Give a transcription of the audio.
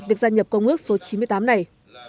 việc gia nhập công ước số chín mươi tám này